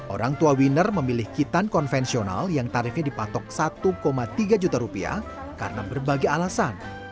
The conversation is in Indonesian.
orang tua winner memilih hitan konvensional yang tarifnya dipatok satu tiga juta rupiah karena berbagai alasan